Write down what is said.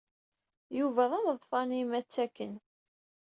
Yuba d ameḍfar n yimattaken.